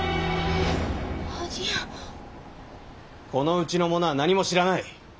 このうちの者は何も知らない。